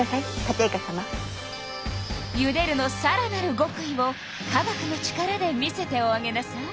「ゆでる」のさらなるごくいを化学の力で見せておあげなさい。